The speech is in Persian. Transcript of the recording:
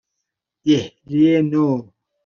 دهلی نو